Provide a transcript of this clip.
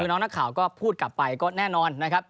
คือน้องนักข่าวก็พูดกลับไปก็แน่นอนนะครับ